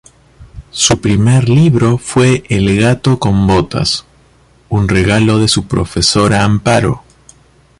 Su primer libro fue "El gato con botas", un regalo de su profesora Amparo.